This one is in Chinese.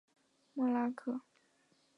默拉克。